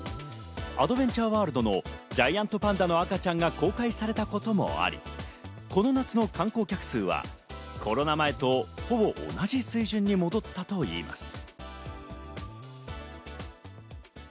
アドベンチャーワールドのジャイアントパンダの赤ちゃんが公開されたこともあり、この夏の観光客数はコロナ前とほぼ同じ水準に戻ったといいます。